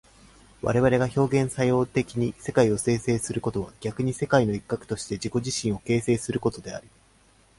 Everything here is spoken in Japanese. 我々が表現作用的に世界を形成することは逆に世界の一角として自己自身を形成することであり、